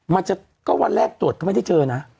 มันก็วันแรกตรวจก็ไม่ได้เจอนะ